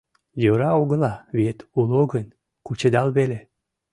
Йӧра огыла, виет уло гын, кучедал веле.